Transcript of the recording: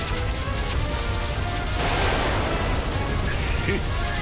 フッ。